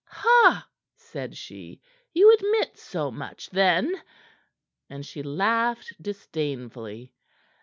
"Ha!" said she. "You admit so much, then?" And she laughed disdainfully.